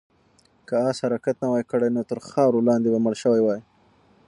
که آس حرکت نه وای کړی، نو تر خاورو لاندې به مړ شوی وای.